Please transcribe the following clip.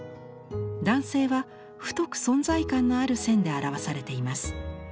男性は太く存在感のある線で表されています。